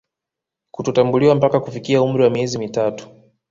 Kutotambuliwa mpaka kufikia umri wa miezi mitatu